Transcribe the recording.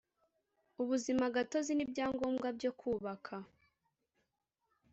ubuzima gatozi n’ibyangombwa byo kubaka